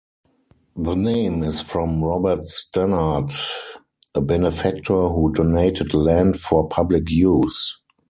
The name is from Robert Stanard, a benefactor who donated land for public use.